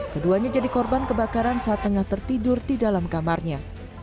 keduanya jadi korban kebakaran saat tengah tertidur di dalam kamarnya